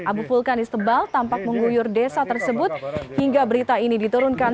abu vulkanis tebal tampak mengguyur desa tersebut hingga berita ini diturunkan